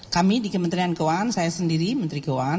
kami di kementerian keuangan saya sendiri menteri keuangan